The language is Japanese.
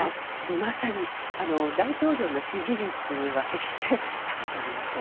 まさに、大統領の支持率は決して高くありません。